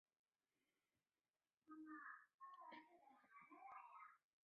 尖裂荚果蕨为球子蕨科荚果蕨属下的一个变种。